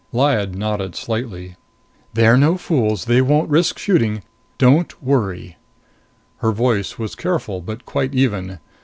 Lyad nodded slightly. "They're no fools! They won't risk shooting. Don't worry." Her voice was careful but quite even.